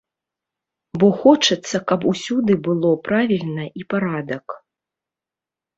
Бо хочацца, каб усюды было правільна і парадак.